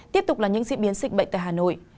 tiếp tục là những diễn biến dịch bệnh tại hà nội